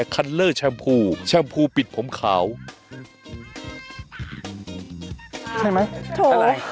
แกฮะอะไร